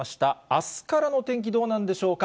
あすからの天気、どうなんでしょうか。